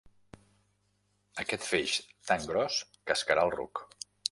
Aquest feix tan gros cascarà el ruc.